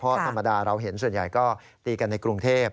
เพราะธรรมดาเราเห็นส่วนใหญ่ก็ตีกันในกรุงเทพ